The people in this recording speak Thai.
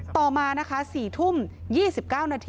ต่อมา๔ทุ่ม๒๙นาที